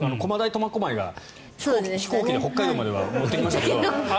苫小牧が飛行機で北海道までは持っていきましたけど。